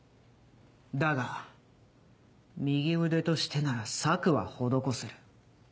だが右腕としてなら策は施せる。